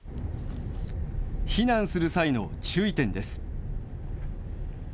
避難する際の注意点です。